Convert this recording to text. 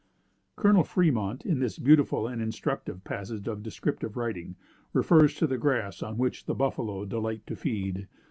Col. Fremont, in this beautiful and instructive passage of descriptive writing, refers to the grass on which the buffalo "delight to feed."